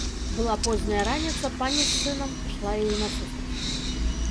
Была позняя раніца, пані з сынам ішла ёй насустрач.